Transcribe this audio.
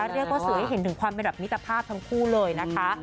เรียกว่าสื่อให้เห็นถึงความเป็นแบบมิตรภาพทั้งคู่เลยนะคะ